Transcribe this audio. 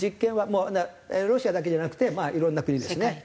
もうロシアだけじゃなくてまあいろんな国ですね。